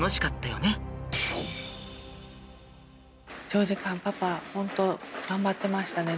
長時間パパ本当頑張ってましたね。